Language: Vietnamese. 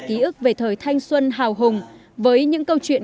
ký ức về thời thanh xuân hào hùng với những câu chuyện